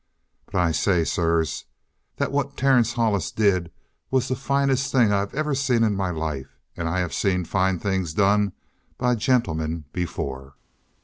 "But I say, sirs, that what Terence Hollis did was the finest thing I have ever seen in my life, and I have seen fine things done by gentlemen before.